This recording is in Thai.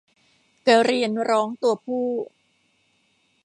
กระเรียนร้องตัวผู้